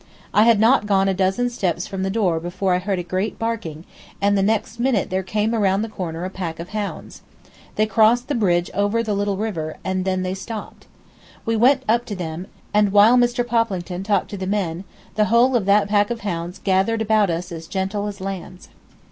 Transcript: I had not gone a dozen steps from the door before I heard a great barking, and the next minute there came around the corner a pack of hounds. They crossed the bridge over the little river, and then they stopped. We went up to them, and while Mr. Poplington talked to the men the whole of that pack of hounds gathered about us as gentle as lambs.